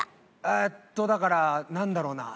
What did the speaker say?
えっとだからなんだろうな？